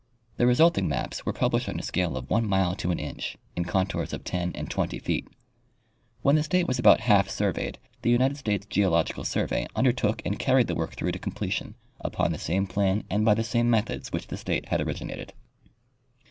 The resulting maps were published on a scale of one mile to an inch, in contours of 10 and 20 feet. When the state was about half surveyed the United States Geological survey undertook and carried the work through to completion upon the same plan and by the same methods which the state had originated.